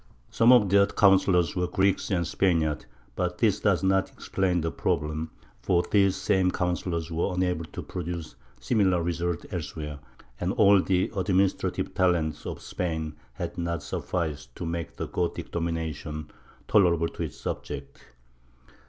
Some of their counsellors were Greeks and Spaniards, but this does not explain the problem; for these same counsellors were unable to produce similar results elsewhere, and all the administrative talent of Spain had not sufficed to make the Gothic domination tolerable to its subjects.